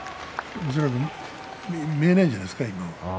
恐らく今見えないんじゃないですか？